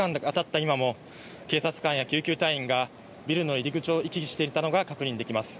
今も警察官や救急隊員がビルの入り口を行き来していたのが確認できます。